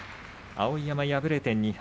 碧山、敗れて２敗。